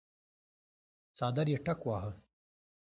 څادر يې ټکواهه.